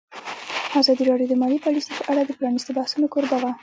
ازادي راډیو د مالي پالیسي په اړه د پرانیستو بحثونو کوربه وه.